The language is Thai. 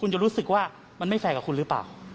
คุณจะรู้สึกว่ามันไม่แฟร์กับคุณหรือเปล่า